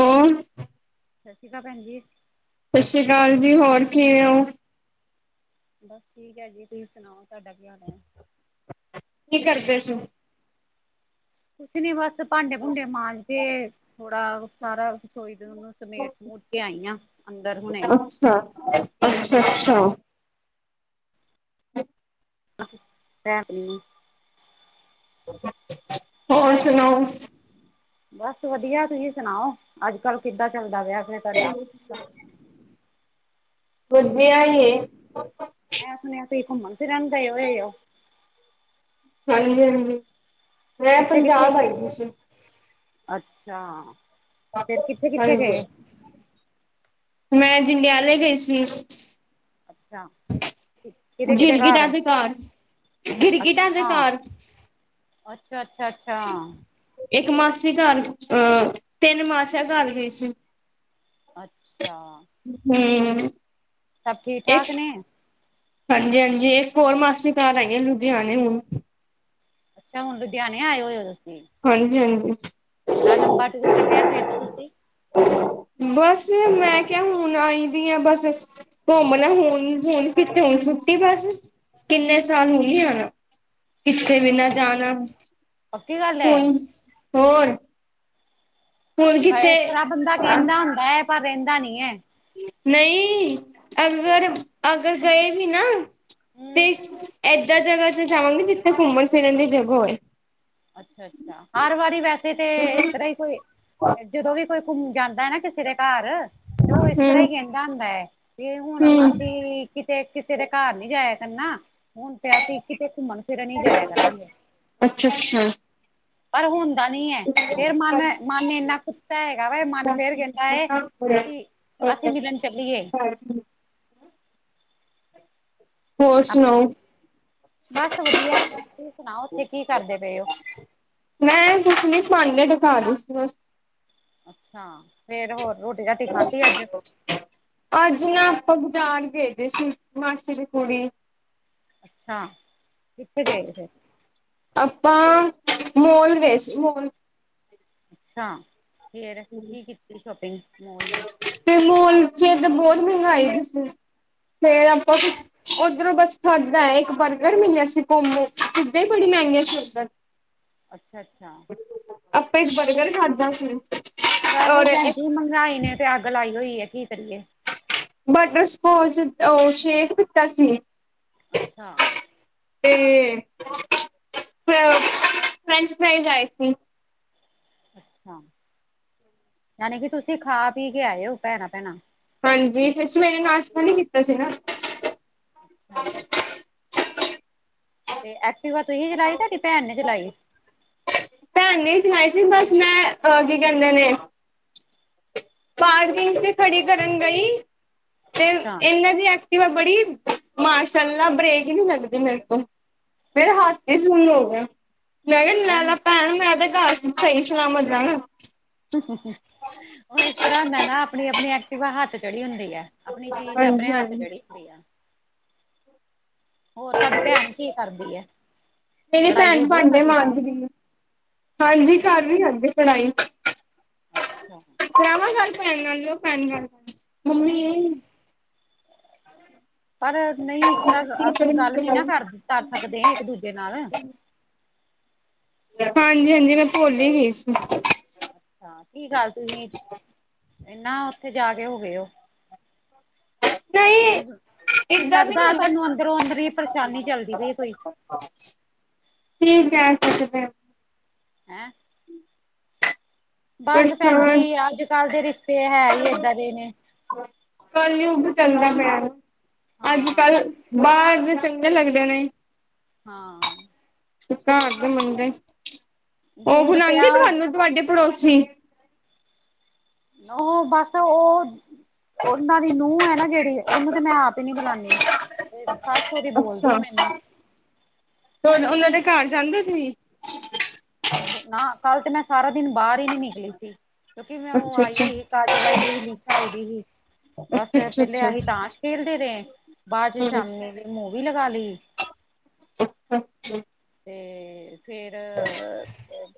ਹਮ [unintelligible] ਸਤਿ ਸ਼੍ਰੀ ਅਕਾਲ ਭੈਣਜੀ। ਸਤਿ ਸ਼੍ਰੀ ਅਕਾਲ ਜੀ, ਹੋਰ ਕੀਵੇ ਹੋ? ਬਸ ਠੀਕ ਹੈ ਜੀ, ਤੁਸੀਂ ਸੁਣਾਓ ਤੁਹਾਡਾ ਕੀ ਹਾਲ ਹੈ? ਕੀ ਕਰਦੇ ਸੀ? ਕੁਝ ਨਹੀਂ ਬਸ ਭਾਂਡੇ ਭੂਡੇ ਮਾਂਜ ਕੇ ਥੋੜਾ ਸਾਰਾ ਕੁ ਸੋਈਨੂੰ ਸਮੇਟ ਸਮੂਟ ਕੇ ਆਈਆਂ ਅੰਦਰ ਹੁਣੇਹੀ। ਅੱਛਾ-ਅੱਛਾ। [unintelligible] ਹੋਰ ਸੁਣਾਓ? ਬਸ ਵਧੀਆ ਤੁਸੀਂ ਸੁਣਾਓ? ਅੱਜ-ਕੱਲ੍ਹ ਕਿੱਦਾਂ ਚੱਲਦਾ ਵਿਆਹ ਫਿਰ ਤੁਹਾਡਾ ਹ [inaudible] ਵਧੀਆ ਹੀ ਹੈ ਮੈਂ ਸੁਣਿਆ ਸੀ, ਤੁਸੀ ਘੁੰਮਣ ਫਿਰਨ ਗਏ ਹੋਏ ਹੋ? ਹਾਂਜੀ ਹਾਂਜੀ। ਮੈਂ ਕਿੱਥੇ-ਕਿੱਥੇ? ਪੰਜਾਬ ਆਈ ਦੀ ਸੀ। ਅੱਛਾ! ਫਿਰ ਕਿੱਥੇ-ਕਿੱਥੇ ਹਾਂਜੀ ਗਏ? ਮੈਂ ਜੰਡਿਆਲੇ ਗਈ ਸੀ। ਅੱਛਾ, ਕਿਦੇ-ਕਿਦੇ ਗਿਰਗਿਟਾ ਘਰ? ਦੇ ਗਿਰਗਿਟਾ ਦੇ ਅੱਛਾ ਘਰ [unintelligible] ਅੱਛਾ, ਅੱਛਾ, ਅੱਛਾ। ਇੱਕ ਮਾਸੀ ਘਰ, ਅਹ ਤਿੰਨ ਮਾਸੀਆਂ ਘਰ ਗਈ ਸੀ। ਅੱਛਾ। ਹੂੰ। ਸਭ ਇੱਕ ਠੀਕ-ਠਾਕ ਨੇ? ਹਾਂਜੀ, ਹਾਂਜੀ, ਇਕ ਹੋਰ ਮਾਸੀ ਘਰ ਆਈ ਆ ਲੁਧਿਆਣੇ ਹੁਨ। ਅੱਛਾ ਹੁਣ ਲੁਧਿਆਣੇ ਆਏ ਹੋ ਤੁਸੀ? ਹਾਂਜੀ ਹਾਂਜੀ ਚੰਗਾ ਲੰਮਬਾ ਟੂਰ ਕਡੇਆ ਤੁਸੀ। ਬਸ ਮੈਂ ਕੇਹਾ ਹੁਣ ਆਈ ਦੀ ਆ ਬਸ ਘੋਮ ਲਾ ਹੁਨ, ਹੂਨ ਕਿੱਥੇ ਹੁਨ ਛੁੱਟੀ ਬਸ। ਕਿੰਨੇ ਸਾਲ ਹੁਨ ਨੀ ਆਣਾ। ਕਿੱਥੇ ਵੀ ਨਾ ਅੱਛਾ ਜਾਨਾ। ਪੱਕੀ ਗੱਲ ਹੈ ਹੂਨ, ਹੋਰ ਹੁਣ ਕਿੱਥੇ ਇਸ ਤਰਾਂ ਬੰਦਾ ਕਹਿੰਦਾ ਹੁੰਦਾ ਐ, ਪਰ ਰੈਂਦਾ ਨੀ ਐ। ਨਈ, ਅਗਰ ਅਗਰ ਗਏ ਵੀ ਨਾ ਤੇ ਹਮ ਏਦਾਂ ਜਗਾ ਚ ਜਾਵਾਂਗੇ ਜਿੱਥੇ ਘੁੰਮਣ-ਫਿਰਨ ਦੀ ਜਗਾ ਹੋਏ। ਅੱਛਾ, ਅੱਛਾ, ਹਰ ਵਾਰੀ ਵੈਸੇ ਤੇ ਇਸ ਤਰ੍ਹਾਂ ਹੀ ਕੋਈ ਜਦੋ ਵੀ ਕੋਈ ਘੁਮ ਜਾਂਦਾ ਏ ਨਾ ਕਿਸੇ ਦੇ ਕਾਰ, ਤੇ ਓ ਇਸ ਤਰ੍ਹਾਂ ਹੂੰ ਹੀ ਕੈਂਦਾ ਹੁੰਦਾ ਐ। ਤੇ ਹੁਣ ਹੂੰ ਅਸੀ ਕਿਤੇ, ਕਿਸੇ ਦੇ ਘਰ ਨੀ ਜਾਇਆ ਕਰਨਾ ਹੁਣ ਤੇ ਅਸੀ ਕਿਤੇ ਘੁੰਮਣ ਫਿਰਨ ਹੀ ਜਾਇਆ ਕਰਾਂਗੇ। ਅੱਛਾ, ਅੱਛਾ। ਪਰ ਹੁੰਦਾ ਨੀ ਐ, ਫੇਰ ਮਨ ਮਨ ਏਨਾ ਕੁੱਤਾ ਹੈਗਾ ਵਾ ਮਨ ਬਸ ਫੇਰ ਕੈਂਦਾ ਏ ਅਸੀ, ਅਸੀ ਮਿਲਣ ਚੱਲੀਏ। ਹਾਂਜੀ। ਹੋਰ ਆਪਣੇ, ਸੁਣਾਓ ਬਸ ਵਦੀਆ, ਤਸੀ ਸੁਣਾਓ ਓਥੇ ਕੀ ਕਰਦੇ ਪਏ ਓ? ਮੈਂ ਕੁਛ ਨੀ, ਪਾਂਡੇ ਢਕਾ ਰੀ ਸੀ ਬਸ। ਅੱਛਾ ਫੇਰ ਹੋਰ ਰੋਟੀ ਰਾਟੀ [unintelligible] ਖਾਧੀ ਅੱਜ ਅੱਜ ਨਾ ਅੱਪਾ ਬਾਜਾਰ ਗਏ ਦੇ ਸੀ, ਮਾਸੀ ਦੀ ਕੁੜੀ ਅੱਛਾ, ਕਿੱਥੇ ਗਏ ਫੇ ਅੱਪਾਂ ਮੋਲ ਗਏ ਸੀ, ਮੋਲ ਅੱਛਾ, ਫੇਰ ਕੀ ਕੀਤੀ ਸ਼ੋਪਿੰਗ ਮੋਲ ਦੀ? ਤੇ ਮੋਲ ਚ ਤੇ ਬੋਤ ਮਹਿੰਗਾਈ ਦੀ ਫੇਰ ਆਪਾਂ ਅੱਛਾ ਓਧਰੋਂ ਬਸ ਥੱਕ ਗਏ, ਇੱਕ ਬਰਗਰ ਮਿਲਿਆ ਸੀ ਕੰਬੋ, ਚੀਜਾ ਹੀ ਬੜੀ ਮਹਿੰਗੀਆਂ ਸੀ ਓਥਰ ਅੱਛਾ ਅੱਛਾ ਅੱਪਾਂ ਇੱਕ ਹੋਰ ਬਰਗਰ ਖਾਧਾ ਸੀ। ਔਰ ਵੈਸੇ ਭੈਣਜੀ ਇੱਕ ਮਹਿੰਗਾਈ ਨੇ ਤੇ ਅੱਗ ਲਾਈ ਹੋਈ ਏ, ਕੀ ਕਰੀਏ? ਬਟਰਸਕੋਚ, ਓ ਸ਼ੇਕ ਪੀਤਾ ਸੀ। ਅੱਛਾ ਤੇ ਫਰੈਂਚ ਫਰਾਈਜ ਆਏ ਸੀ। ਅੱਛਾ, ਯਾਨੀ ਕਿ ਤੁਸੀ ਖਾ ਪੀ ਕੇ ਆਏ ਓ ਭੈਣਾਂ ਭੈਣਾਂ। ਹਾਂਜੀ, ਫੇ ਸਵੇਰੇ ਨਾਸ਼ਤਾ ਨੀ ਕੀਤਾ ਸੀ ਨਾ। ਹਾਂ ਤੇ ਐਕਟਿਵਾ ਤੁਹੀ ਚਲਾਈ, ਤੁਹਾਡੀ ਭੈਣ ਨੇ ਚਲਾਈ? ਧੈਨ ਨੇ ਹੀ ਚਲਾਈ ਸੀ, ਬਸ ਮੈ ਅ ਕੀ ਕੈਂਦੇ ਨੇ? ਪਾਰਕਿੰਗ ਚ ਖੜੀ ਕਰਨ ਗਈ ਤੇ ਅੱਛਾ ਏਨੇ ਦੀ ਐਕਟਿਵਾ ਬੜੀ ਮਾਸ਼ਲਾ ਬ੍ਰੇਕ ਹੀ ਨੀ ਲੱਗਦੀ ਮੇਰੇ ਤੋ। ਮੇਰਾ ਹੱਥ ਈ ਅੱਛਾ ਸੁਨ ਹੋ ਗਿਆ, ਮੈਂ ਕੇਹਾ ਨੈਨਾ ਉਹ ਪੈਣ ਮੈ ਤੇ ਕਰ ਸਹੀ ਸਲਾਮਤ ਜਾਣਾ। ਓ ਇਸ ਤਰ੍ਹਾਂ ਹੁੰਦਾ ਨਾ ਅਪਣੀ ਆਪਣੀ ਐਕਟੀਵਾ ਹੱਥ ਚੜੀ ਹੁੰਦੀ ਹੈ। ਅਪਣੀ ਚੀਜ ਅਪਣੇ ਹਾਂਜੀ ਹੱਥ ਹਾਂਜੀ ਚੜੀ ਹੁੰਦੀ ਆ। ਹੋਰ ਤਾਡੀ ਭੈਣ ਕੀ ਕਰਦੀ ਐ? ਮੇਰੀ ਭੈਣ ਭਾਂਡੇ ਮਾਂਜ ਰੀ ਏ। ਹਾਂਜੀ, ਕਰ ਨਹੀਂ ਰਈ ਏ ਅੱਗੇ ਪੜਾਈ। ਅੱਛਾ ਕਰਾਵਾ ਗੱਲ ਭੈਣ ਨਾਲ, ਲੋ ਭੈਣ ਗੱਲ, ਮੰਮੀ ਨਹੀਂ ਏ। ਪਰ ਨਈ ਇਸ ਤਰ੍ਹਾਂ ਅਸੀਂ ਗੱਲ ਨੀ ਨਾ ਕਰ ਕਰ ਸਕਦੇ ਇੱਕ ਦੂਜੇ ਨਾਲ ਹਾਂਜੀ, ਹਾਂਜੀ ਮੈਂ ਭੁੱਲ ਹੀ ਗਈ ਸੀ ਹ ਕੀ ਗੱਲ ਤੁਸੀਂ ਇਹਨਾ ਉੱਥੇ ਜਾ ਕੇ ਹੋ ਗਏ ਹੋ ਨਹੀਂ ਮੈਨੂੰ ਮੈਨੂੰ ਏਦਾਂ ਵੀ ਨਹੀਂ ਲੱਗਦਾ ਹੁੰਦਾ ਤੁਾਨੂੰ ਅੰਦਰੋਂ ਅੰਦਰ ਈ ਪਰੇਸ਼ਾਨੀ ਚੱਲਦੀ ਪਈ ਹੈ ਕੋਈ ਠੀਕ ਹੈ ਅਸੀ ਤੇ ਹੈਂ ਬਸ ਭੈਣ ਜੀ, ਪਰੇਸ਼ਾਨ ਅੱਜ -ਕੱਲ੍ਹ ਦੇ ਰਿਸ਼ਤੇ ਹੈ ਹੀ ਏਦਾਂ ਦੇ ਨੇ, ਕੱਲ -ਯੁਗ ਚੱਲਦਾ ਪਿਆ, ਅੱਜ ਹਾਂ -ਕੱਲ ਬਾਹਰ ਦੇ ਚੰਗੇ ਲੱਗਦੇ ਨੇ ਹਾਂ ਤੇ ਘਰ ਦੇ ਮੰਦੇ, ਉਹ ਦੂਰ ਬਲਾਂਦੀ, ਪਿਆ ਤਹਾਨੂੰ ਤੁਹਾਡੀ ਪੜੋਸੀ ਉਹ ਬਸ ਉਹ ਉਹਨਾਂ ਦੀ, ਨੂੰਹ ਹੈ ਨਾ ਜਿਹੜੀ, ਉਹਨੂੰ ਤੇ ਮੈਂ ਆਪ ਹੀ ਨੀ ਬੁਲਾਦੀ ਸਸ ਅੋਦੀ, ਬੋਲਦੀ ਅੱਛਾ ਮੇਰੇ ਨਾ ਉਹਨਾਂ ਦੇ, ਘਰ ਜਾਂਦੇ ਓ ਤੁਸੀ? ਔ ਨਾ ਕਾਲ ਤੇ ਮੈਂ ਸਾਰਾ ਦਿਨ ਬਾਹਰ ਹੀ ਨਈ ਨਿਕਲੇ ਸੀ ਕਿਉਂਕਿ, ਮੈਂ ਉਹ ਅੱਛਾ ਆਈ ਅੱਛਾ ਹੋਈ ਸੀ ਕਾਜਲ, ਆਈ ਦੀ ਸੀ ਨਿਸ਼ਾ ਆਈ ਦੀ ਸੀ ਬਸ ਅੱਛਾ ਅੱਛਾ ਪਹਿਲੇ ਅੱਛਾ ਅਸੀਂ, ਤਾਂਸ਼ ਖੇਡਦੇ ਰਹੇ ਆ ਬਾਦ ਚ ਹਮ ਸ਼ਾਮੀ ਵੀ ਮੂੰਵੀ ਲਗਾ ਲੀ ਤੇ ਫੇਰ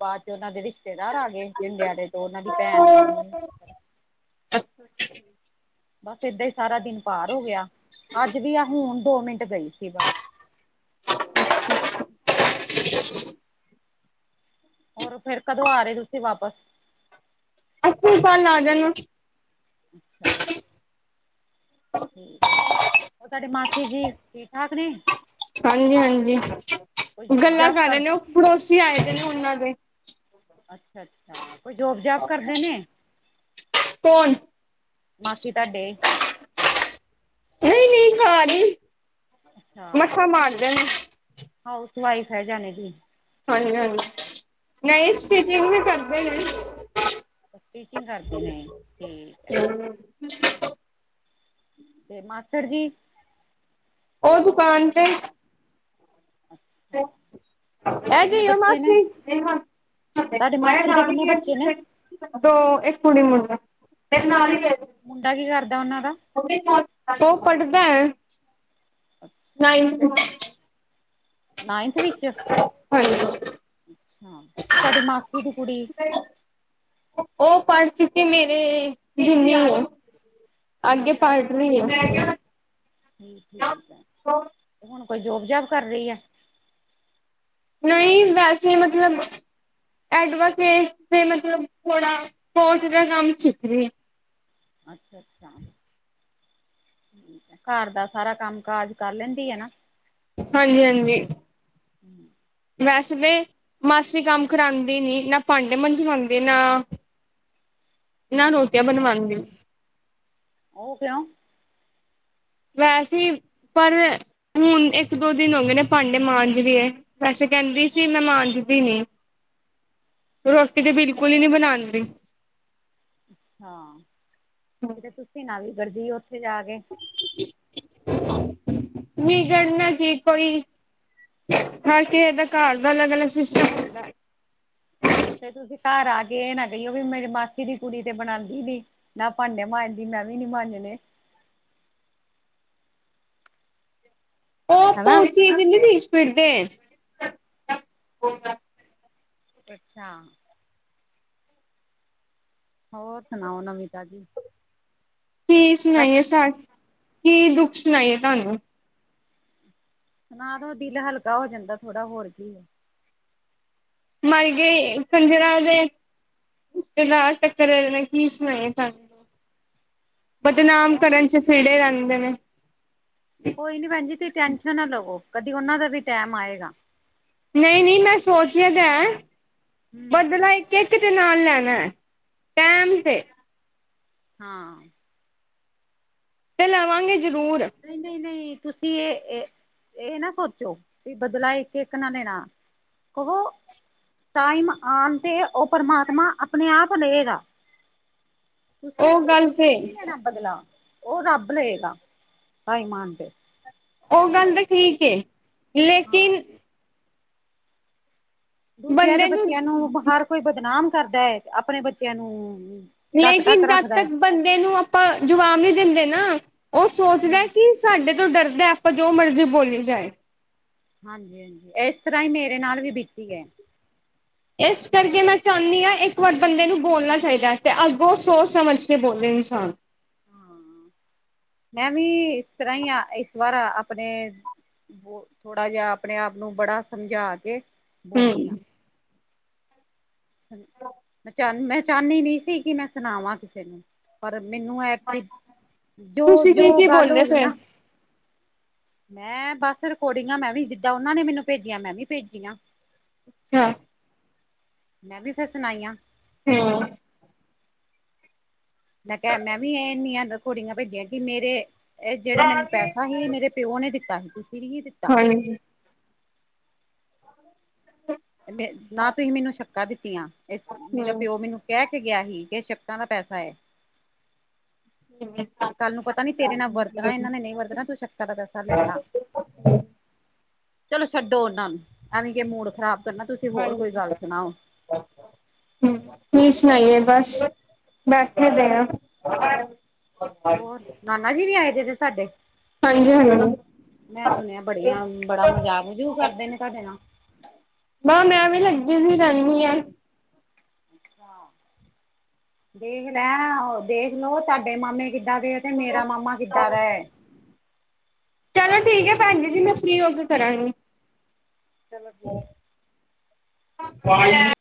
ਬਾਅਦ ਚ, ਇਹਨਾਂ ਦੇ ਰਿਸ਼ਤੇਦਾਰ ਆ ਗ ਇੱਕ ਜੰਡਿਆਲੇ ਤੋਂ, ਉਹਨਾਂ ਦੀ ਭੈਣ ਪ ਬਸ ਏਦਾਂ ਹੀ, ਸਾਰਾ ਦਿਨ ਪਾਰ ਹੋ ਗਿਆ, ਅੱਜ ਵੀ ਆ ਹੁਣ ਦੋ ਮਿੰਟ ਗਈ ਸੀ ਬਸ ਹਮ [inaudible] [inaudible] [inaudible] [inaudible] ਹੋਰ ਫੇਰ, ਕਦੋਂ ਆ ਰਹੇ ਤੁਸੀਂ ਵਾਪਸ ਅਗਲੀ ਵਾਰ, ਆ ਜਾਇਓ ਅੱਛਾ ਸਾਡੇ ਮਾਸੀ ਜੀ, ਠੀਕ -ਠਾਕ ਨੇ ਹਾਂਜੀ- ਹਾਂਜੀ ਕੋਈ ਜੋਬ ਗੱਲਾਂ ਜਾਬ ਕਰ ਰਹੇ ਨੇ, ਉਹ ਪੜੋਸੀ ਆਏ ਦੇ ਨੇ ਉਹਨਾਂ ਦੇ ਅੱਛਾ- ਅੱਛਾ ਕੋਈ ਜੋਬ -ਜਬ ਕਰਦੇ ਨੇ ਕੌਣ ਮਾਸੀ ਤਾਡੇ ਨਈ -ਨਈ ਘਰ ਈ, ਅੱਛਾ ਮਛੱਰ ਮਾਰ ਦੇ ਣੇ ਹਾਊਸ ਵਾਈਫ ਹੈ, ਜਾਣੇ ਕੀ ਹਾਂਜੀ- ਹਾਂਜੀ ਨਈ, ਸਟਿਚਿੰਗ ਵੀ ਕਰਦੇ ਨੇ ਸਟਿਚਿੰਗ ਕਰਦੇ ਨੇ ਠੀਕ ਹੈ ਹਮ [inaudible] [inaudible] ਤੇ ਮਾਸੜ ਜੀ ਉਹ, ਦੁਕਾਨ ਤੇ ਅੱਛਾ ਤੇ ਐ ਕਿੰਨੇ ਜਓ ਬੱਚੇ ਨੇ ਮਾਸੀ ਤੁਹਾਡੇ ਬਹਿ ਮਾਸੀ ਦੇ ਰਾਮ ਕਿੰਨੇ ਜੀ ਏ ਬੱਚੇ ਟਿਕ ਨੇ ਕੇ ਤੋਂ ਇੱਕ ਪੁਣੀ ਮੁਦਾ ਮੇਰੇ ਨਾਲ ਹੀ ਗਏ ਏ ਮੁੰਡਾ, ਕੀ ਕਰਦਾ ਉਹਨਾਂ ਦਾ ਉਹ- ਉਹ ਪੜਦਾ ਆ ਚ। ਨਾਇਨਥ ਵਿੱਚ ਹਾਂਜੀ। ਤੇ ਤਾਡੀ ਮਾਸੀ ਦੀ ਕੁੜੀ ਉਹ ਪੜ੍ਹ ਚੁੱਕੀ ਮੇਰੇ ਜੂਨੀਰ ਅੱਗੇ ਪੜ, ਰਹੀ ਆ ਠੀ ਠੀਕ ਆ, ਤੇ ਹੁਣ ਕੋਈ ਜੋਬ -ਜਾਬ ਕਰ ਰਹੀ ਆ ਨਈ, ਵੈਸੇ ਮਤਲਬ ਐਡਵੋਕੇਟ, ਨੇ ਮਤਲਬ ਥੋੜਾ ਕੋਰਸ ਦਾ ਕੰਮ ਸਿੱਖਦੀ ਰਹੀ ਏ ਅੱਛਾ ਅੱਛਾ ਘਰ ਦਾ, ਸਾਰਾ ਕੰਮ ਕਾਜ ਕਰ ਲੈਂਦੀ ਆ ਨਾ ਹਾਂਜੀ-ਹਾਂਜੀ। [inaudible] ਵੈਸੇ ਵੇ, ਮਾਸੀ ਕੰਮ ਕਰਾਂਦੀ ਨੀ। ਨਾ ਭਾਂਡੇ ਮੰਜਵਾਵਾਂਦੀ, ਨਾ ਨਾ ਰੋਟੀਆਂ ਅੱਛਾ ਬਣਨਵਾਂਦੀ। ਉਹ ਕਿਉ? ਵੈਸੇ ਈ, ਪਰ ਹੁਣ ਇੱਕ ਦੋ ਦਿਨ ਹੋ ਗਏ ਨੇ, ਭਾਂਡੇ ਮਾਂਜ ਰੀ ਏ। ਵੈਸੇ ਕੈਂਦੀ ਸੀ, ਮੈਂ ਮਾਂਜਦੀ ਨੀ। ਰੋਟੀ ਤੇ ਹਾਂ ਬਿਲਕੁਲ ਹੀ ਨਹੀਂ ਬਨਾਨਦੀ। ਅੱਛਾ, ਤੇ ਤੁਸੀਂ ਨਾ ਵੀਗਰਜੀ ਉੱਥੇ ਜਾ ਕੇ। ਵੀਗਰਨਾ ਕੀ, ਕੋਈ ਹਰ ਕਿਹੇ ਦੇ ਘਰ ਦਾ ਅਲੱਗ-ਅਲੱਗ ਸਿਸਟਮ। ਹੁੰਦਾ ਹੈ ਫੇਰ ਤੁਸੀਂ ਘਰ ਆ ਕੇ ਇਹ ਨਾ ਕਹੀਓ ਵੀ ਮੇਰੀ ਮਾਸੀ ਦੀ ਕੁੜੀ ਤੇ ਬਣਾਨਦੀ ਨੀਂ। ਨਾ ਭਾਂਡੇ ਮਾਂਜਦੀ, ਮੈਂ ਵੀ ਨੀ ਮਾਂਜਣੇ। ਉਹ ਹੈਨਾ? [unintelligible] [unintelligible] ਨੀ ਬੀਸ਼ ਪੀੜਦੇ। ਅੱਛਾ। ਹੋਰ ਸੁਣਾਓ? ਨਵੀਂ ਤਾਜੀ। ਕੀ ਸੁਣਾਈਏ ਸਾਡ, ਕੀ ਦੁੱਖ ਸੁਣਾਈਏ ਤੁਹਾਨੂੰ। ਸੁਣਾ ਦੋ, ਦਿਲ ਹਲਕਾ ਹੋ ਜਾਂਦਾ ਥੋੜਾ, ਹੋਰ ਕੀ ਏ। ਮਰ ਗਏ, [inaudible] ਦੇ ਤੁਸੀਂ ਤੇ ਲਾ [unintelligible] ਰਹਿ ਜਾਣੇ, ਕੀ ਸੁਣਾਏ ਤੁਹਾਨੂੰ। ਬਦਨਾਮ ਕੌਣ ਕਰਨ ਚ ਫਿੜੇ ਰਹਿੰਦੇ ਨੇ। ਕੋਈ ਨੀ ਭੈਣ ਜੀ, ਤੁਸੀਂ ਟੈਸ਼ਨ ਨਾ ਲਵੋ। ਕਦੀ ਉਹਨਾਂ ਦਾ ਵੀ ਟੈਮ ਆਏਗਾ। ਨਹੀਂ- ਨਹੀਂ, ਮੈਂ ਸੋਚਿਆ ਤਾਂ ਹੈ, ਹੂੰ ਬਦਲਾ ਇੱਕ ਇਕ ਦੇ ਨਾਲ ਲੈਣਾ, ਟੈਮ ਤੇ। ਹਾਂ। ਤੇ ਲਵਾਂਗੇ ਜ਼ਰੂਰ। ਨਹੀਂ- ਨਹੀਂ- ਨਹੀਂ, ਤੁਸੀਂ ਇਹ ਇਹ ਨਾ ਸੋਚੋ ਵੀ ਬਦਲਾ ਇੱਕ-ਇੱਕ ਨਾ ਲੈਣਾ। ਕਹੋ ਟਾਈਮ ਆਣ ਤੇ ਉਹ ਪ੍ਰਮਾਤਮਾ ਆਪਣੇ ਆਪ ਲਏਗਾ। ਤੁਸੀਂ, ਉਹ ਗੱਲ ਤੁਸੀਂ ਤੇ ਨੀਂ ਲੈਣਾ ਬਦਲਾ। ਉਹ ਰੱਬ ਲਏਗਾ, ਟਾਈਮਾ ਆਨ ਤੇ। ਉਹ ਗੱਲ ਤੇ ਠੀਕ ਏ, ਹਾਂ ਲੇਕਿਨ ਦੂਜਿਆਂ ਦੇ ਬੱਚਿਆਂ ਨੂੰ ਬ ਹਰ ਕੋਈ ਬਦਨਾਮ ਕਰਦਾ ਏ, ਆਪਣੇ ਬੱਚਿਆਂ ਨੂੰ ਢੱਕ ਲੇਕਿਨ, ਢੱਕ ਜਦ ਰੱਖਦਾ ਹੈ ਤੱਕ ਬੰਦੇ ਨੂੰ ਆਪਾਂ ਜਵਾਬ ਨਹੀ ਦਿੰਦੇ ਨਾ, ਉਹ ਸੋਚਦਾ ਹਮ ਕਿ ਸਾਡੇ ਤੋਂ ਡਰਦੈ, ਆਪਾਂ ਜੋ ਮਰਜ਼ੀ ਬੋਲੀ ਜਾਏ। ਹਾਂਜੀ-ਹਾਂਜੀ, ਇਸ ਤਰ੍ਹਾਂ ਹੀ ਮੇਰੇ ਨਾਲ ਵੀ ਬੀਤੀ ਐ। ਇਸ ਕਰਕੇ ਮੈਂ ਚਾਉਨੀਂ ਆਂ, ਇੱਕ ਵਾਰ ਬੰਦੇ ਨੂੰ ਬੋਲਣਾ ਚਾਹੀਦੈ। ਤੇ ਅੱਗੋਂ ਸੋਚ ਸਮਝ ਤੇ ਬੋਲੇ ਇਨਸਾਨ। ਹਾਂ, ਮੈਂ ਵੀ ਇਸ ਤਰ੍ਹਾਂ ਹੀ ਆ ਇਸ ਵਾਰ ਆਪਣੇ ਬ ਥੋੜਾ ਜ ਆਪਣੇ ਆਪ ਨੂੰ ਬੜਾ ਸਮਝਾ ਕੇ ਬੋਲੀ ਆ ਹੂੰ। ਮੈਂ ਚਾਂ, ਮੈਂ ਚਾਂਨੀ ਨੀ ਸੀ ਕਿ ਮੈਂ ਸੁਣਾਵਾਂ ਕਿਸੇ ਨੂੰ। ਪਰ ਮੈਨੂੰ ਐਤਕੀ, ਤੁਸੀਂ ਕੀ ਜੋ-ਜੋ ਕੀ ਗੱਲ ਹੋ ਬੋਲੇ ਗਈ ਫੇਰ ਨਾ ਮੈਂ ਬਸ ਰਿਕੋਰਡਿੰਗਾਂ ਮੈਂ ਵੀ, ਜਿੱਦਾਂ ਉਹਨਾਂ ਨੇ ਮੈਨੂੰ ਭੇਜੀਆਂ, ਮੈਂ ਵੀ ਭੇਜੀਆਂ। [inaudible] ਮੈਂ ਵੀ ਫਿਰ ਸੁਣਾਈਆ। ਹੂੰ ਮੈਂ ਕਿਹਾ, ਮੈਂ ਵੀ ਇੰਨੀਆਂ ਕੁੋੜੀਆਂ ਭੇਜੀਆਂ ਕਿ ਮੇਰੇ ਇਹ ਜਿਹੜਾ ਮੈਨੂੰ ਪੈਸਾ ਹੀ ਮੇਰੇ। ਪਿਓ ਨੇ ਦਿੱਤਾ ਸੀ, ਤੁਸੀਂ ਨੀਂ ਹੀ ਦਿੱਤਾ। ਹਾਂਜੀ। ਨਾ ਤੂਸੀ ਮੈਨੂੰ ਸ਼ੱਕਾ ਦਿੱਤੀਆਂ, ਮੇਰਾ ਹੂੰ ਪੇਓ ਮੈਨੂੰ। ਕੈਹ ਕੇ ਗੇਆ ਹੀ, ਕਿ ਏ ਸ਼ੱਕਾਂ ਦਾ ਪੈਸਾ ਹੈ। [unintelligible] ਕਾੱਲ ਨੂੰ ਪਤਾ ਨੀ ਤੇਰੇ ਨਾਲ ਵਰਤਨਾ ਏਨਾਂ ਨੇ ਨਈ ਵਰਤਨਾ, ਤੂੰ ਸ਼ੱਕਾ ਦਾ ਪੈਸਾ ਲੈ ਲਾ। ਚਲੋ ਮ਼ੱਡੋ ਓਨਾਂ ਨੂੰ, ਐਵੇਂ ਕਿ ਮੂਡ ਖ਼ਰਾਬ। ਕਰਨਾ ਤੁਸੀਂ ਹੋਰ ਕੋਈ ਗੱਲ ਸੁਣਾਓ। [unintelligible] ਕੀ ਸੁਨਾਈਏ ਬਾਸ, ਬੈਠੇ ਦੇ ਆਂ। ਹੋਰ, ਨਾਨਾ ਜੀ ਵੀ ਆਏ ਜੇ ਦੇ ਤਾਡੇ। ਹਾਂਜੀ ਹਾਂਜੀ ਮੈਂ ਸੁਨੇਆ ਬੜੀਆਂ, ਬੜਾ ਮਜਾਕ ਮਜੂਕ ਕਰਦੇ ਨੇ ਤੂਆਡੇ ਨਾਲ। ਬਾ ਮੈਂ ਵੀ ਲੱਗੀ ਜੀ ਰੈਨੀ ਆ। ਦੇਖ ਲੈ, ਦੇਖ ਲੋ ਤੂਆਡੇ ਮਾਮੇ ਕਿ। ਕਿਦਾਂ ਦੇ ਐ, ਤੇ ਮੇਰਾ ਮਾਮਾ ਕਿੱਦਾਂ ਦਾ ਐ। ਚਲੋ ਠੀਕ ਹੈ ਭੈਣਜੀ ਜੀ, ਮੈਂ ਫ੍ਰੀ ਹੋ ਕੇ ਕਰਾਂਗੀ। ਚਲੋ ਠੀਕ [unintelligible]